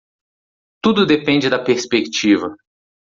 Tudo depende da perspectiva